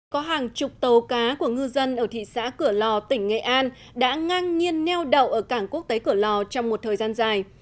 có hàng chục tàu cá của ngư dân ở thị xã cửa lò tỉnh nghệ an đã ngang nhiên neo đậu ở cảng quốc tế cửa lò trong một thời gian dài